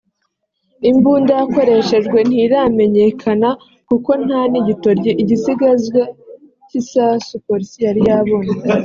Imbunda yakoreshejwe ntiramenyekana kuko nta n’igitoryi (igisigazwa cy’isasu) Polisi yari yabona